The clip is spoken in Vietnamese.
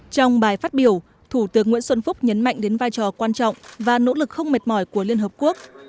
trong bài phát biểu thủ tướng nguyễn xuân phúc nhấn mạnh đến vai trò quan trọng và nỗ lực không mệt mỏi của liên hợp quốc